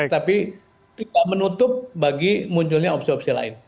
tapi tidak menutup bagi munculnya opsi opsi lain